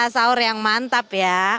sahur yang mantap ya